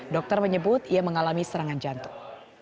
dokter menyebut ia mengalami serangan jantung